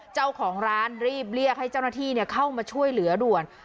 เจ้าของร้านรีบเรียกให้เจ้าหน้าที่เข้ามาช่วยเหลือด่วน